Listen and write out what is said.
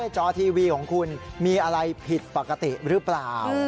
จอทีวีของคุณมีอะไรผิดปกติหรือเปล่า